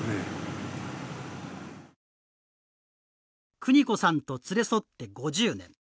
邦子さんと連れ添って５０年。